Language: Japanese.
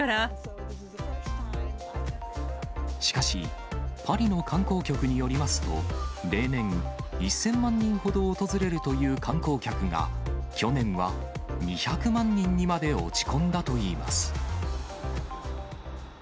しかし、パリの観光局によりますと、例年、１０００万人ほど訪れるという観光客が、去年は２００万人にまで落ち込んだといいます。